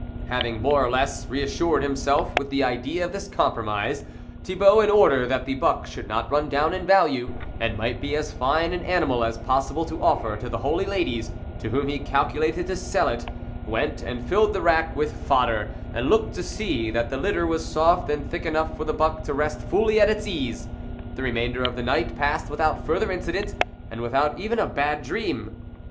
Having more or less re assured himself with the idea of this compromise, Thi bault, in order that the buck should not run down in value, and might be as fine an animal as possible to offer to the holy ladies, to whom he calculated to sell it, went and filled the rack with fodder and looked to see that the litter was soft and thick enough for the buck to rest fully at its ease. The remainder of the night passed without further incident, and with out even a bad dream.